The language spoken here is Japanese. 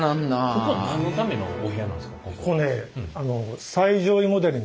ここ何のためのお部屋なんですか？